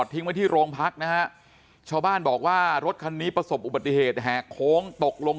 ทิ้งไว้ที่โรงพักนะฮะชาวบ้านบอกว่ารถคันนี้ประสบอุบัติเหตุแหกโค้งตกลง